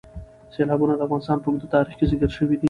سیلابونه د افغانستان په اوږده تاریخ کې ذکر شوی دی.